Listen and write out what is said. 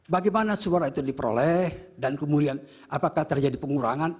bagaimana suara itu diperoleh dan kemudian apakah terjadi pengurangan